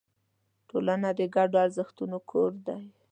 ټولنه د ګډو ارزښتونو کور دی.